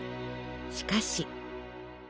しかし。